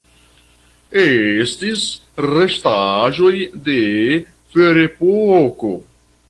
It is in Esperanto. Estis restaĵoj de Ferepoko.